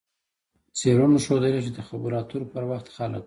څېړنو ښودلې چې د خبرو اترو پر وخت خلک